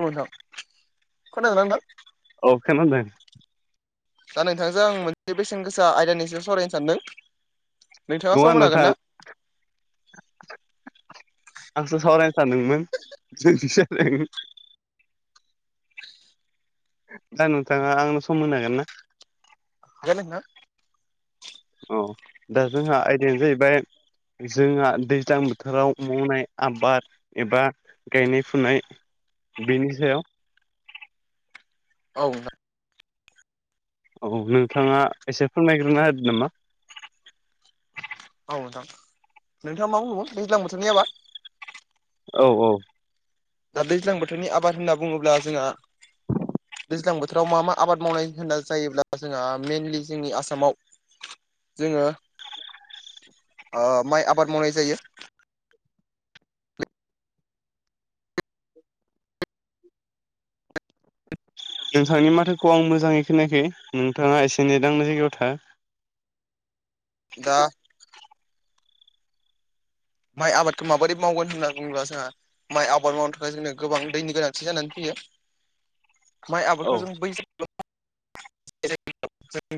औ नोंथां खोनादोंना नोंथां अ खोनादों दा नोंथांजों आं मोनसे बेसेन गोसा आयदानि सायाव सावरायनो सानदों नोंथाङा सम नङा होनो हागोन नोंथां ना? आंसो सावरायनो सानदोंमोन जों दा नोंथाङा आंनो सम होनो हागोन ना हेल नोंथां औ दा जोंहा आयदायानो जाहैबाय जोंहा दैज्लां बोथोराव मावनाय आबाद एबा गायनाय फुनाय बेनि सायाव औ औ नोंथाङा एसेफां नायग्रोना होदो नामा औ नोंथाङा मा बुंगोन दैज्लां बोथोरनिबा औ औ दा दैज्लां बोथोरनि आबाद होनना बुङोब्ला जोंहा दैज्लां बोथोराव मा मा आबाद मावनाय होनना जायोब्ला जोंहा मेइेनलि जोंनि आसामाव जोङो ओ माइ आबाद मावनाय जायो नोंथांनि माथोखौ आं मोजाङै खोनायाखै नोंथाङा एसे नेद नांनाय जायगायाव था दा माइ आबादखौ माबोरै मावगोन होनना बुङोब्ला जोंहा माइ आबाद मावनो थाखाय जोंनो गोबां दैनि गोनांथि जानानै फैयो माइ औ आबादखौ जों बै जों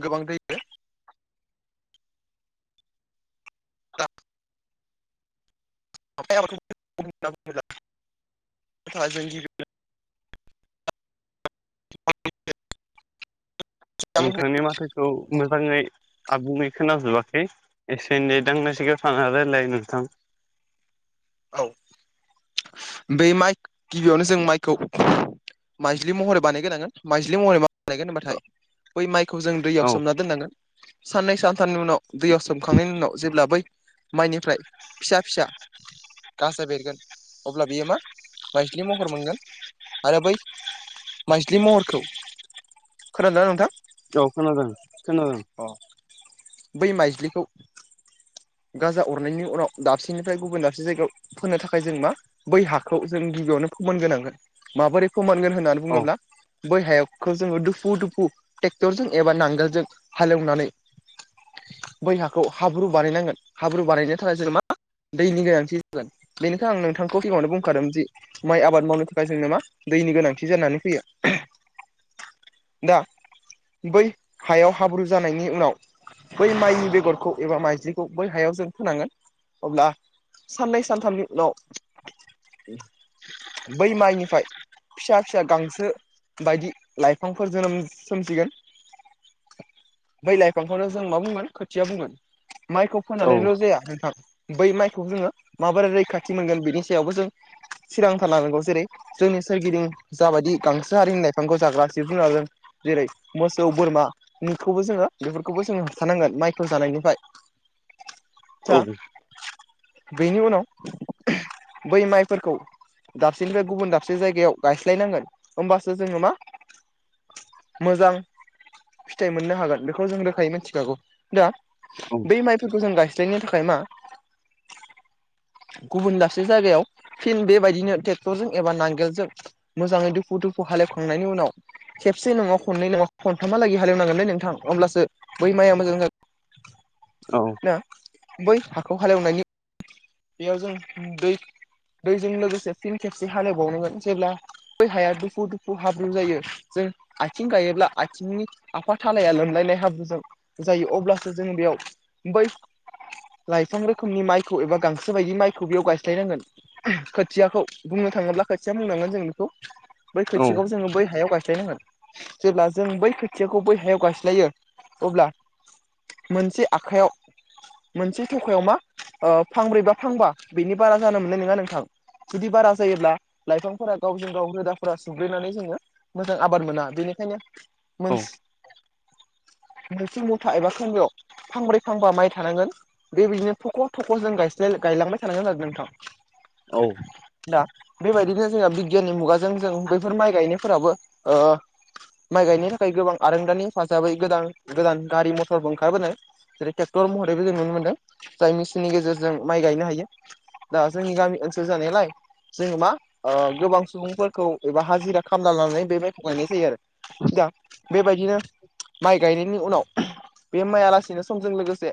गोबां दैखो दा [unintelligible] [unintelligible] गिबि नोंथांनि माथोखौ मोजाङै आबुङै खोनाजोबाखै एसे एनै नेट नांनाय सिगायाव थां रायलाय नोंथां औ बे माइ गिबियावनो जों माइखौ माइज्लि महरै बानायगोनांगोन माइज्लि महरै मा लायगोन होनबाथाय बै माइखौ जों दैयाव औ सोमना दोननांगोन साननै सानथामनि उनाव दैयाव सोमखांनायनि उनाव जेब्ला बै माइनिफ्राय फिसा फिसा गाजा बेरगोन [inaudible] अब्ला बियो मा माइस्लि महर मोनगोन आरो बै माइजलि महरखौ खोनादोंना नोंथां औ खोनादों खोनादों अ बै माइज्लिखौ गाजा अरनायनि उनाव दाबसेनिफ्राय गुबुन दाबसे जायगायाव फोनो थाखाय जों मा बै हाखौ जों गिबियावनो फोमोनग्रोनांगोन माबोरै फोमोनगोन होननानै औ बुङोब्ला बै हाखौ जोङो दुफु दुफु ट्रेक्टरजों एबा नांगोलजों हालेवनानै बै हाखौ हाब्रु बानायनांगोन हाब्रु बानायनो थाखाय जेन मा दैनि गोनांथि जागोन बेनिखाय आं नोंथांखौ सिगाङावनो बुंखादों जि माइ आबाद मावनो थाखाय जोंनो मा दैनि गोनांथि जानानै फैयो दा बै हायाव हाब्रु जानायनि उनाव बै माइनि बेगरखौ एबा माइज्लिखौ हायाव जों फोनांगोन अब्ला साननै सानथामनि बै माइनिफ्राय फिसा फिसा गांसो बायदि लाइफांफोर जोनोम सोमजिगोन बै लाइफांखौनो जों मा बुंगोन खोथिया बुंगोन माइखौ औ फोनानैल जाया नोंथां बै माइखौ जोङो माबोरै रैखाथि मोनगोन बेनि सायावबो जों [unintelligible] जेरै जोंनि सोरगिदिं जाबायदि गांसो हारिनि लाइफांखौ जाग्रा जिब जुनार जों जेरै मोसौ बोरमा बेखौबो जोङो बेफोरखौबो जोङो होबथानांगोन माइखौ जानायनिफ्राय औ दा औ बेनि उनाव बै माइफोरखौ दाबसेनिफ्राय गुबुन दाबसे जायगायाव गायस्लायनांगोन होनबासो जोङो मा मोजां फिथाइ मोननो हागोन बेखौ जों रोखायै मिथिखागौ दा औ बै माइफोरखौ जों गायस्लायनो थाखाय मा गुबुन दासे जायगायाव फिन बेबायदिनो ट्रेक्टरजों एबा नांगोलजों मोजाङै दुखु दुखु हालेवखांनायनि उनाव खेबसे नङा खननै नङा खनथामहालागि हालेवनांगोनलै नोंथां अब्लासो बै माइया मोजां जागोन ना बै हाखौ हालेवनायनि बेयाव जों दै दैजों लोगोसे फिन खेबसे हालेबावनांगोन जेब्ला बै हाया दुफु दुफु हाब्रुं जायो जों आथिं गायोब्ला आथिंनि आफा थालाया लोमलायनाय हाब्रुजों जायो अब्लासो जोङो बेयाव बै लाइफां रोखोमनि माइखौ एबा गांसो बायदि माइखौ बेयाव गायस्लायनांगोन खोथियाखौ बुंनो थाङोब्ला खोथिया बुंनांगोन जों बेखौ बै औ खोथियाखौ जोङो बै हायाव गायस्लायनांगोन जेब्ला जों बै खोथियाखौ बै हायाव गायस्लायो अब्ला मोनसे आखाइयाव मोनसे थफायाव मा फांब्रै बा फांबा बेनि बारा जानो मोननाय नङा नोंथां जुदि बारा जायोब्ला लाइफांफोरा गावजों गाव रोदाफोरा सुग्लेनानै जोङो मोजां आबाद मोना बेनिखायनो मोन औ मोनसे मथा एबा खोन्दोआव फांब्रै फांबा माइ थानांगोन बेबायदिनो थख' थख' जों गायलांबाय थानांगोन आरो नोंथां औ दा बेबायदिनो जोंहा बिगियाननि मुगाजों जों बैफोर माइ गायनायफोराबो माइ गायनो थाखाय गोबां आरोंदानि हाजाबै गोदान गोदान गारि मथरबो ओंखारबोदों जेरै ट्रेक्टर महरैबो जों नुनो मोनदों जाय मेसििननि गेजेरजों माइ गायनो हायो दा जोंनि गामि ओनसोल जानायलाय जोङो मा गोबां सुबुंफोरखौ एबा हाजिरा खामना लानानै बेबायखौ गायनाय जायो आरो दा बेबायदिनो माइ गायनायनि उनाव बे माइआलासे बिदिनो समजों लोगोसे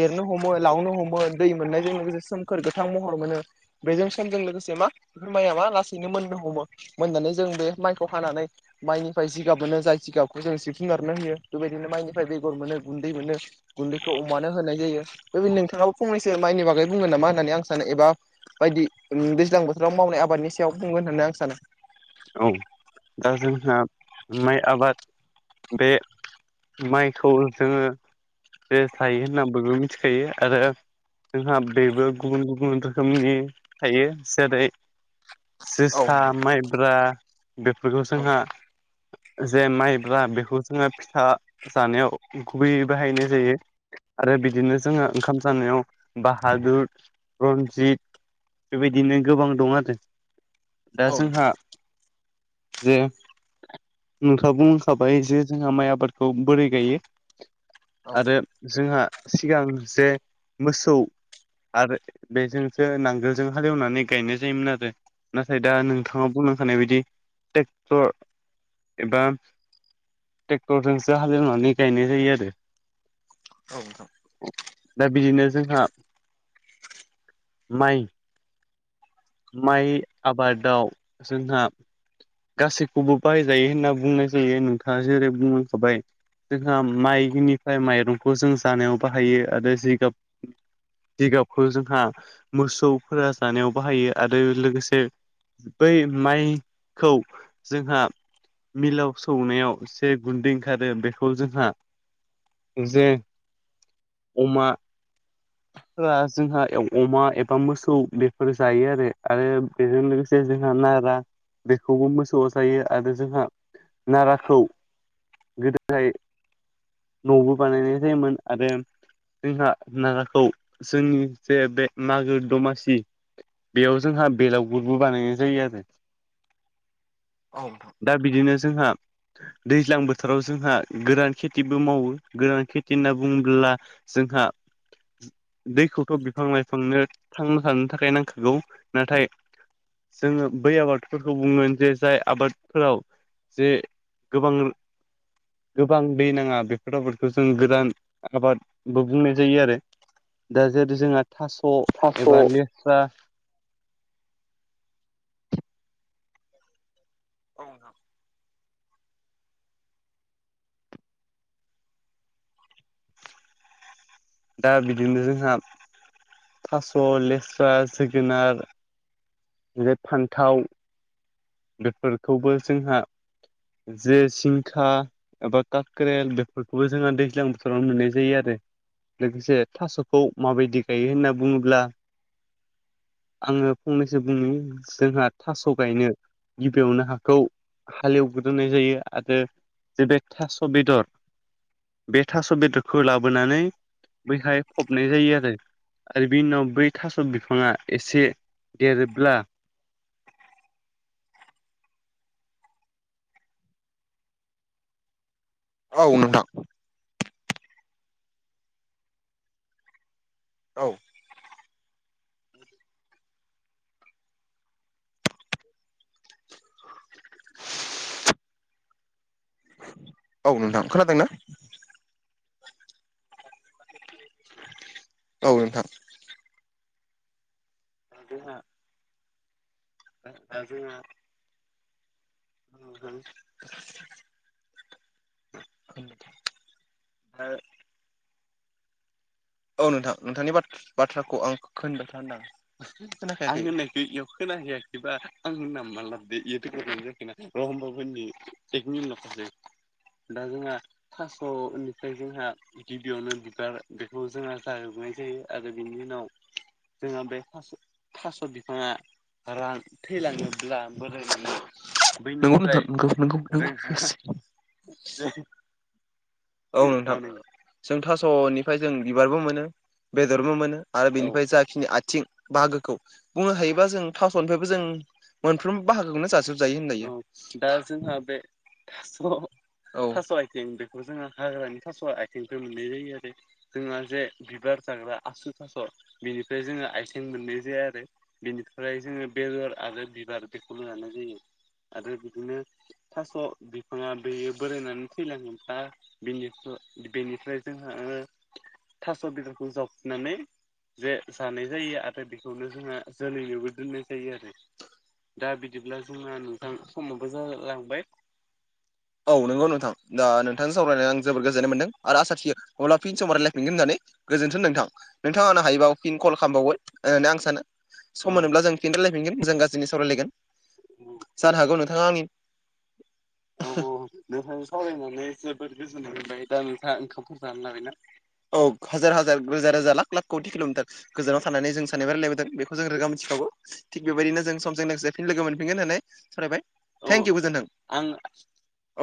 देरनो हमो लावनो हमो दै मोननायजों लोगोसे सोमखोर गोथां महर मोनो बेजों समजों लोगोसे मा बे माइाबा लासैनो मोननो हमो मोननानै जों बे माइखौ हानानै माइनिफ्राय जिगाब मोनो जाय जिगाबखौ जों जिब जुनारनो होयो बेबायदिनो माइनिफ्राय बेगर मोनो गुन्दै थिख बिदिनो गुन्दैखौ अमानो होनाय जायो बबिन नोंथाङाबो फंनैस माइनि बागै बुंङोन नामा होननानै आं सानो एबा बायदि दैज्लां बोथोराव मावनाय आबादनि सायाव बुंगोन होननानै आं सानो औ दा जोंहा माइ आबाद बे माइखौ जोङो रेस लायो होननानै बयबो मिथिखायो आरो जोंहा बेबो गुबुन गुबुन रोखोमनि थायो जेरै औ जोसा नोंथां माइब्रा बेफोरखौ जोंहा जे माइब्रा बेखौ जोङो फिथा जानायाव गुबैयै बाहायनाय जायो आरो बिदिनो जोङो ओंखाम जानायाव बाहादुर रन्जित बेबायदिनो गोबां दं आरो दा औ नोंथां औ नोंथां जोंहा जे नोंथाङा बुंखाबाय जे जोंहा माइ आबादखौ बोरै गायो आरो जोंहा सिगां जे मोसौ आरो बेजोंसो नांगोलजों हालेवनानै गायनाय जायोमोन आरो नाथाय दा नोंथाङा बुंलांखानाय बायदि ट्रेक्टर एबा ट्रेक्टरजोंसो हालेवनानै गायनाय जायो आरो औ नोंथां दा बिदिनो जोंहा माइ माइ आबादाव जोंहा गासैखौबो बाहायजायो होनना बुंनाय जायो नोंथाङा जेरै बुंलांखाबाय जोंहा माइनिफ्राय माइरंखौ जों जानायाव बाहायो आरो जिगाब जिगाबखौ जोंहा मोसौफोरा जानायाव बाहायो आरो लोगोसे बै माइखौ जोंहा मिलाव सौनायाव जे गुन्दै ओंखारो बेखौ जोंहा जे अमा फोर जोंहा अमा एबा मोसौ बेफोर जायो आरो आरो बेजों लोगोसे जोंहा नारा बेखौबो मोसौवा जायो आरो जोंहा नाराखौ गोदोहाय न'बो बानायनाय जायोमोन आरो जोंहा नागाखौ जोंनि जे बे मागो दमासि बेयाव जोंहा बेलावगुरबो बानायनाय जायो आरो औ दा बिदिनो जोंहा दैज्लां बोथोराव जोंहा गोोरान खेथिबो मावो गोरान खेथि होनना बुङोब्ला जोंहा दैखौथ' बिफां लाइफांनो थांना थानो थाखाय नांखागौ नाथाय जोङो बै आबादफोरखौ बुंगोन जे जाय आबादफोराव जे गोबां गोबां दै नाङा बेफोर रावफोरखौ जों गोदान आबादबो बुंनाय जायो आरो दा जेरै जोंहा थास' एबा औ लेस्रा औ नोंथां दा बिदिनो जोंहा थास' लेस्रा जोगोनार ओमफ्राय फान्थाव बेफोरखौबो जोंहा जे जिंखा एबा काक्रेल बेफोरखौबो जोंहा दैज्लां बोथोरावनो मोननाय जायो आरो लोगोसे थास'खौ माबायदि गायो होनना बुङोब्ला आङो फंनैसो बुंनि जोंहा थास' गायनो गिबियावनो हाखौ हालेव गोदोननाय जायो आरो जे बे थास' बेदर बे थास' बेदरखौ लाबोनानै बैहाय फबनाय जायो आरो आरो बिनि उनाव बै थास' बिफाङा एसे देरोब्ला औ नोंथां औ औ नोंथां खोनादों ना? औ नोंथां जोंहा दा जोंहा नुगोन [inaudible] औ नोंथां नोंथांनि बाथ्राखौ आं खोनबाय थानोदां आं होननायखौ इयाव खोनााहैयाखैबा आं होनना मा लाबोदो बेयोथ' गानो जाखो ना [unintelligible] दा जोंहा थास'निफ्राय जोंहा गिबियावनो बिबार खौ जोंहा जाहोबनाय जायो आरो बिनि उनाव जोंहा बे फ थास' बिफाङा रां थैलाङोब्ला बोराय मोना [unintelligible] औ नोंथां जों थास'निफ्राय जों बिबारबो मोनो बेदरबो मोनो आरो बेनिफ्राय जाखिनि आथिं बाहागोखौ बुंनो हायोबा जों थास'निफ्रायबो जों मोनफ्रोमबो बाहागोखौनो जाजोबजायो होनलायो दा जोंहा बे थास' औ थास' आथिं बेखौ जोंङो हाग्रानि थास' आथिंफोर मोननाय जायो आरो जोंहा जे बिबार जाग्रा आसु थास' बिनिफ्राय जोङो आथिं मोननाय जाया आरो बेनिफ्राय जोङो बेदर आरो बिबार बेखौनो जानाय जायो आरो बिदिनो थास' बिफाङा बेयो बोरायनानै थैलाङोब्ला निफ्रा बेनिफ्राय जोंहा थास' बेदरखौ जावखुनानै जे जानाय जायो आरो बेखौनो जोंहा जोलैनिबो दोननाय जायो आरो दा बिदिब्ला जोंना नोंथां समावबो जालांबाय औ नंगौ नोंथां दा नोंथांजों सावरायनानै आं जोबोद गोजोननाय मोनदों आरो आसा थियो अब्ला फिन समाव रायलायफिनगोन होननानै गोजोनथों नोंथां नोंथां आं हायोबा फिन कल खालामबावगबाय होननानै आं सानो सम मोनोब्ला जों फिन रायलायफिनगोन मोजां गाज्रि सावरायलायगोन जानो हागौ नोंथाङा आंनि औ नोंथां सावरायनानै जोबोद गोजोन मोनबाय दा नोंथां ओंखामखौ जानो लाबायना औ हाजार हाजार रोजा रोजा लाख लाख खौटि किल'मिटार गोजानाव थानानै जों सानैबो रायलायबोदों बेखौ जों रोखा मिथिखागौ थिग बेबायदिनो जों समजों लोगोसेफिनो लोगो मोनफिनगोन होननानै सरायबाय थेंक इउ गोजोनथों आं